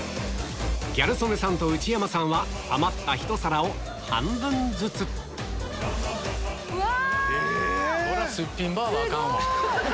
ギャル曽根さんと内山さんは余ったひと皿を半分ずつうわ！